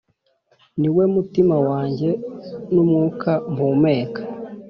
niwe mutima wanjye, n'umwuka mpumeka.